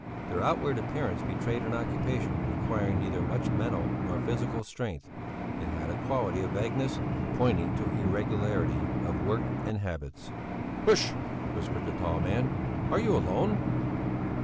Their outward appearance betrayed an occupation requiring neither much mental nor great physical strength; it had a quality of vagueness, pointing to irregularity of work and habits. "Hsh!" whispered the tall man, "are you alone?"